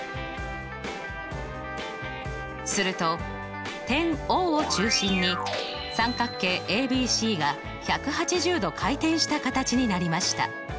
すると点Ｏを中心に三角形ＡＢＣが１８０度回転した形になりました。